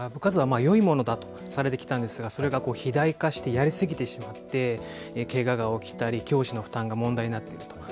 部活動はよいものだとされてきたんですが、それが肥大化して、やり過ぎてしまって、けがが起きたり、教師の負担が問題になっていると。